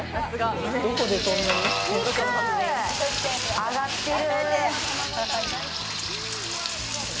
揚がってる。